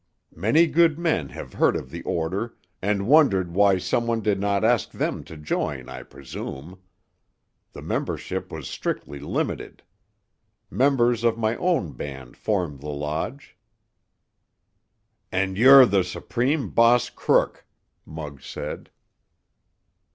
Many good men have heard of the order and wondered why some one did not ask them to join, I presume. The membership was strictly limited. Members of my own band form the lodge." "And you're the supreme boss crook!" Muggs said.